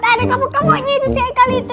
tadi komuk komuknya itu si aikel itu